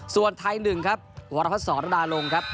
ส่วนไทย๑ครับวรพัฒนศรดาลงครับ